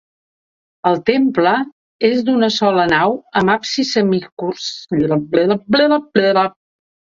El temple és d'una sola nau amb absis semicircular orientat a l'est.